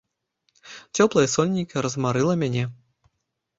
Цёплае сонейка размарыла мяне.